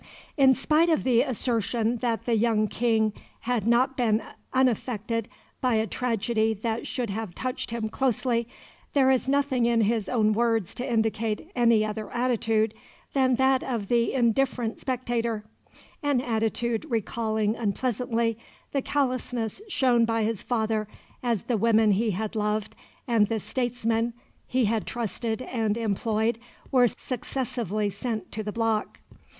In spite of the assertion that the young King had not been unaffected by a tragedy that should have touched him closely, there is nothing in his own words to indicate any other attitude than that of the indifferent spectator an attitude recalling unpleasantly the callousness shown by his father as the women he had loved and the statesmen he had trusted and employed were successively sent to the block.